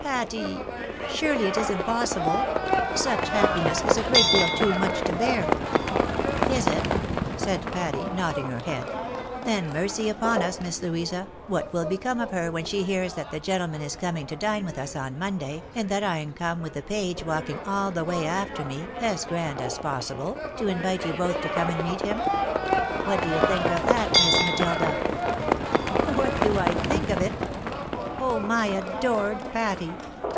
Patty? Surely it is impossible ! Such happiness is a great deal too much to bear !"" Is it? " said Pattjr, nodding her head. " Then, mercy upon us. Miss Louisa, what will become of her when she hears that the gentleman is coming to dine with us on Monday, and that I am come with the page walking all the way after me, as grand as possible, to invite you both to come and meet him ? What do you think of that, Miss Matilda ?"" What do I think of it? Oh! my adored Patty!